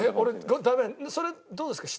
それどうですか？